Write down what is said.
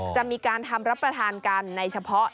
จะมีการทำรับประทานกันในเฉพาะ